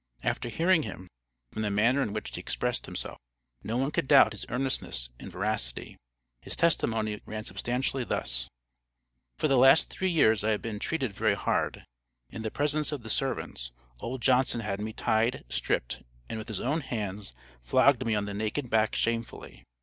After hearing him, from the manner in which he expressed himself, no one could doubt his earnestness and veracity. His testimony ran substantially thus: "For the last three years I have been treated very hard. In the presence of the servants, old Johnson had me tied, stripped, and with his own hands, flogged me on the naked back shamefully.